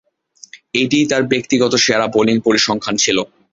এটিই তার ব্যক্তিগত সেরা বোলিং পরিসংখ্যান ছিল।